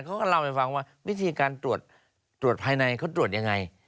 เขาก็เล่าให้ฟังว่าวิธีการตรวจภายในเขาตรวจยังไง